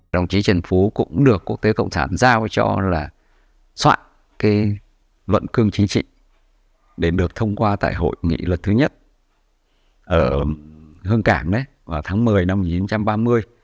đồng chí trần phú cũng được quốc tế cộng sản giao cho là soạn cái luận cương chính trị để được thông qua tại hội nghị luật thứ nhất ở hương cảm vào tháng một mươi năm một nghìn chín trăm ba mươi